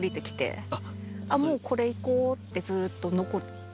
あっもうこれ行こうってずっと残って。